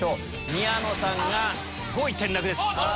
宮野さんが５位転落です。